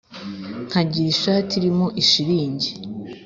Nkagira ishati irimo ishilingi